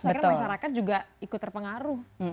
terus akhirnya masyarakat juga ikut terpengaruh